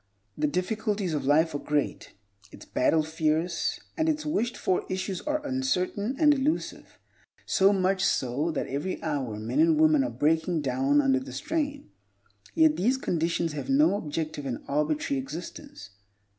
The difficulties of life are great, its battle fierce, and its wished for issues are uncertain and elusive; so much so, that every hour men and women are breaking down under the strain. Yet these conditions have no objective and arbitrary existence.